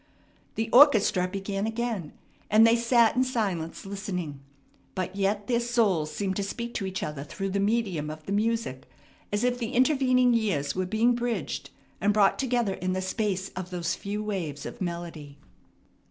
The orchestra began again, and they sat in silence listening. But yet their souls seemed to speak to each other through the medium of the music, as if the intervening years were being bridged and brought together in the space of those few waves of melody.